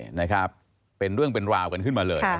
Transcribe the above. นะครับเป็นเรื่องเป็นราวกันขึ้นมาเลย